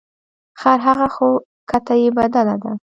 خر هغه خو کته یې بدله ده.